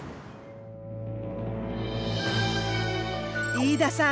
飯田さん